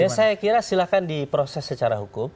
ya saya kira silahkan diproses secara hukum